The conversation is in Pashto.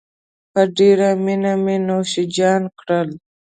په ډېرې مينې مې نوشیجان کړل.